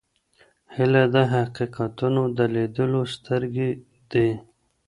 هیله د حقیقتونو د لیدلو سترګې دي.